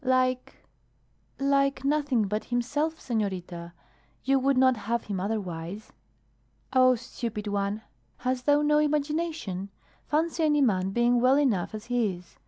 "Like like nothing but himself, senorita. You would not have him otherwise." "Oh, stupid one! Hast thou no imagination? Fancy any man being well enough as he is!